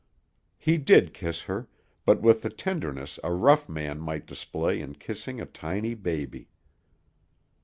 He did kiss her, but with the tenderness a rough man might display in kissing a tiny baby.